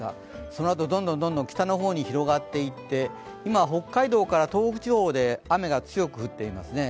そのあと、どんどん北の方に広がっていって、今、北海道から東北地方で雨が強く降っていますね。